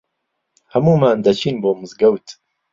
هەموومان دەچین بۆ مزگەوت.